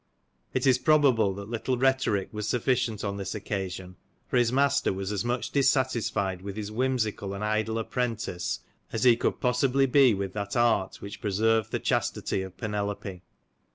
It is probable that little rhetoric was sufficient on this occasion, for his master was as much dissatisfied with his whimsical, and idle apprentice, as he could possibly be with that art which preserved the chastity of Penelope.